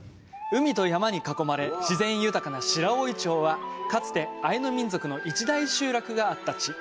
海と山に囲まれ自然豊かな白老町はかつてアイヌ民族の一大集落があった地。